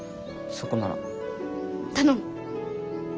頼む。